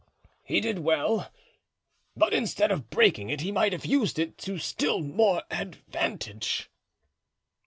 "He did well; but instead of breaking it, he might have used it to still more advantage."